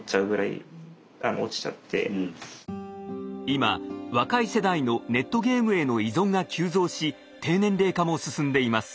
今若い世代のネットゲームへの依存が急増し低年齢化も進んでいます。